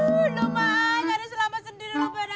ulu mah nyari selamat sendlilo bener sam